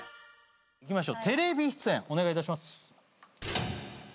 いきましょう「テレビ出演」お願いいたします。